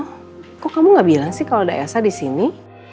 nno kok kamu gak bilang sih kalau ada elsa di sini